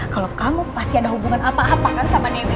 kalau kamu pasti ada hubungan apa apa kan sama dewi